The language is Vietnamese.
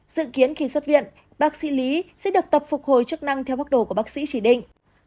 dự kiến khi xuất viện bác sĩ lý sẽ được tập phục hồi chức năng theo bóc đồ của bác sĩ chỉ định